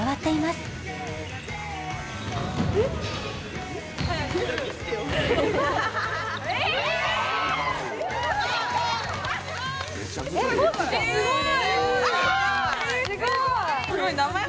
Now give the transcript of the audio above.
すごーい。